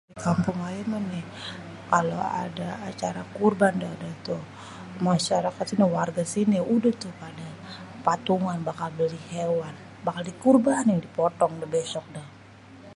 kampung ayé mah nih.. kalo ada acara qurban déh déh tu.. masyarakat sono sama warga sini udah dah tu pada patungan bakal beli hewan.. bakal diqurbanin bakal dipotong dah bésok dah..